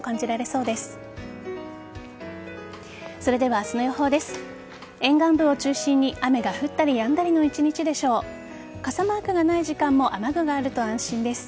それでは、明日の予報です。